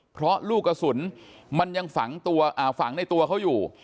เพราะลูกกะสุนมันยังฝังในตัวเขาอยู่